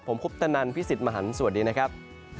ผมคุปตนันพี่สิทธิ์มหันฯสวัสดีนะครับ